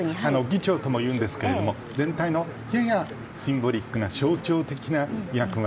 議長とも言いますが全体の、ややシンボリックな象徴的な役割。